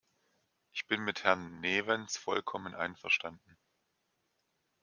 Ich bin mit Herrn Newens vollkommen einverstanden.